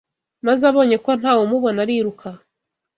maze abonye ko nta wumubona ariruka